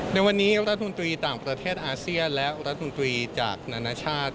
ในวันนี้รัฐมนตรีต่างประเทศอาเซียนและรัฐมนตรีจากนานาชาติ